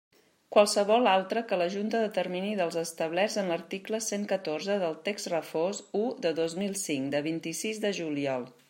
Qualsevol altra que la Junta determini dels establerts en l'article cent catorze del Text Refós u de dos mil cinc, de vint-i-sis de juliol.